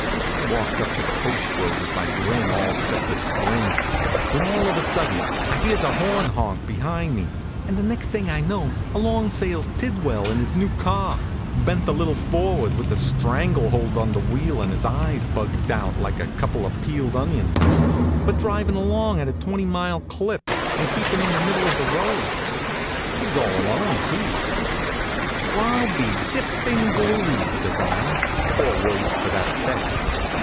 I walks up the Post Road with my grin all set to spring, when all of a sudden I hears a horn honk behind me, and the next thing I know along sails Tid well in his new car, bent a little forward with a strangle hold on the wheel and his eyes bugged out like a couple of peeled onions, but drivin along at a 20 mile clip HONK, HONK! and keepin in the middle of the road. He s all alone, too. "Well, I ll be dipped in glue!" says I, or words to that effect.